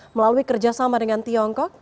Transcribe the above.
melalui kerjasama dengan tiongkok